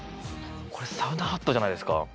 これサウナハットじゃないですか？